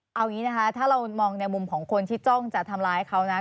เอาอย่างนี้นะคะถ้าเรามองในมุมของคนที่จ้องจะทำร้ายเขานะ